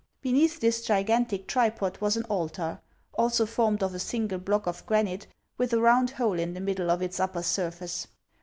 Beneath this gigantic tripod was an altar, also formed of a single block of gran ite, with a round hole in the middle of its upper surface.